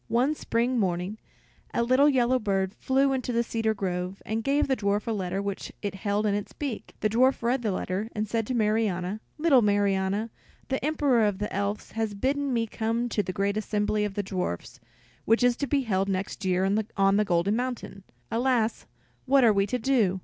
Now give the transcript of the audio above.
One spring morning a little yellow bird flew into the cedar grove, and gave the dwarf a letter which it held in its beak. The dwarf read the letter, and said to Marianna, "Little Marianna, the Emperor of the Elves has bidden me come to the great assembly of the dwarfs which is to be held next year on the Golden Mountain. Alas, what are we to do?